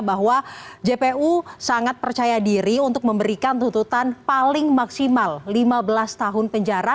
bahwa jpu sangat percaya diri untuk memberikan tuntutan paling maksimal lima belas tahun penjara